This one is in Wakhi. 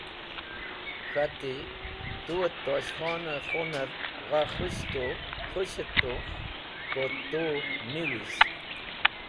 K̃hati tu’t Tosh Khoner gha khus̃het tu, ko tu niwiz.